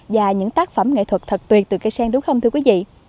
và những tác phẩm nghệ thuật thật tuyệt từ cây sen đúng không thưa quý vị